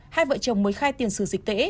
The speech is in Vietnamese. hai vợ chồng mới khai tiền sử dịch tễ